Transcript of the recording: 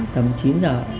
tầm chín giờ